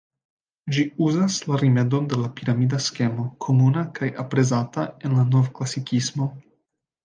Ĝi uzas la rimedon de la piramida skemo, komuna kaj aprezata en la Novklasikismo.